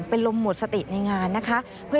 เป็นลมหมดสติในงานนะคะ